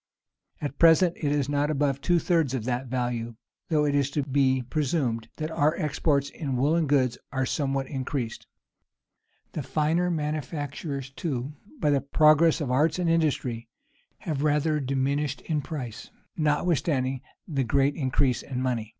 [] At present, it is not above two thirds of that value; though it is lo be presumed that our exports in woollen goods are somewhat increased. The finer manufactures, too, by the progress of arts and industry, have rather diminished in price, notwithstanding the great increase of money.